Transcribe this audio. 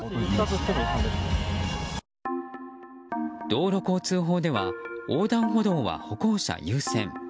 道路交通法では横断歩道は歩行者優先。